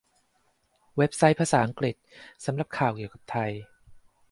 เว็บไซต์ภาษาอังกฤษ สำหรับข่าวเกี่ยวกับไทย